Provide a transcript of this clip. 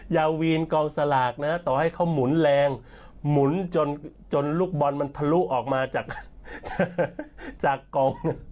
ยาวีนกองสลากนะต่อให้เขาหมุนแรงหมุนจนลูกบอลมันทะลุออกมาจากกอง